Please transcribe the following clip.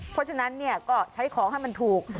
เพราะฉะนั้นก็ใช้ของให้มันถูก